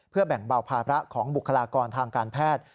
แบ่งเบาภาระของบุคลากรทางการแพทย์